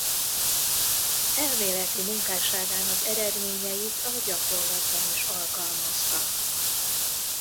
Elméleti munkásságának eredményeit a gyakorlatban is alkalmazta.